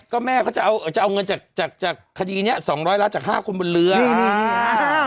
ก็แม่เขาจะเอาจะเอาเงินจากจากคดีเนี้ยสองร้อยล้านจากห้าคนบนเรืออ่า